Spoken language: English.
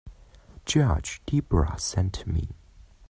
Judge Debra sent me.